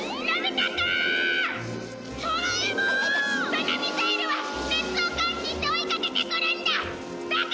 そのミサイルは熱を感知して追いかけてくるんだ。